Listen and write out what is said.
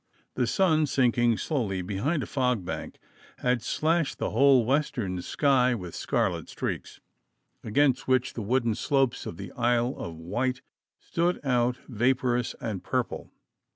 The sun sinking slowly behind a fog bank had slashed the whole western sky with scarlet streaks, against which the wooded slopes of the Isle of Wight stood out vaporous and purple.